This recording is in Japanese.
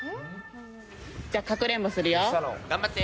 じゃあ、かくれんぼするよ。頑張って。